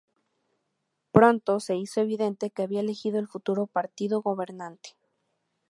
Pronto se hizo evidente que había elegido el futuro partido gobernante.